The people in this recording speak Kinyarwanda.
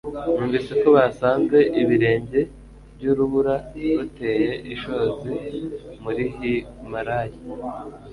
numvise ko basanze ibirenge byurubura ruteye ishozi muri himalaya